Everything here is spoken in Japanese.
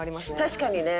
確かにね。